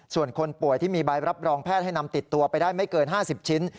ส่วนคนป่วยที่มีใบรับรองแพทย์ให้นำติดตัวไปได้ไม่เกิน๕๐ชิ้น